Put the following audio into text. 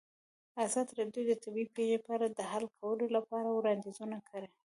ازادي راډیو د طبیعي پېښې په اړه د حل کولو لپاره وړاندیزونه کړي.